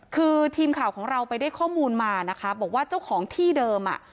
คือทีมข่าวของเราไปได้ข้อมูลมานะคะบอกว่าเจ้าของที่เดิมอ่ะ